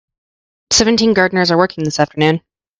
Seventeen gardeners are working this afternoon.